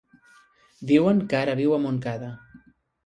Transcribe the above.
Diuen que ara viu a Montcada.